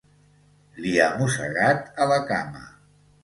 Li ha mossegat a la cama